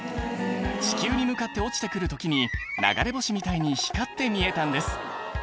地球に向かって落ちて来る時に流れ星みたいに光って見えたんです